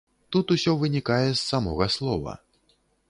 Тут усё вынікае з самога слова.